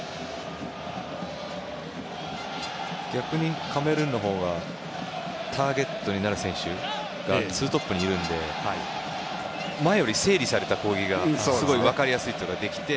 逆にカメルーンのほうがターゲットになる選手が２トップにいるので前より整理された攻撃がすごい分かりやすいことができて。